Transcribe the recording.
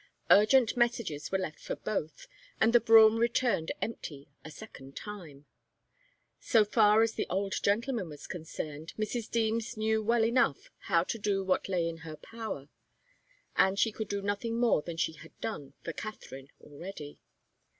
Urgent messages were left for both, and the brougham returned empty a second time. So far as the old gentleman was concerned, Mrs. Deems knew well enough how to do what lay in her power, and she could do nothing more than she had done for Katharine already.